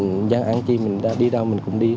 nhân dân ăn chi mình đi đâu mình cũng đi